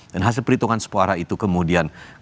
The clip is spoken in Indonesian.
dan hasil perhitungan suara itu kemudian